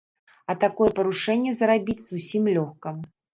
А такое парушэнне зарабіць зусім лёгка.